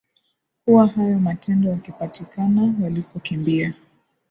huwa hayo matendo wakipatikana walikokimbia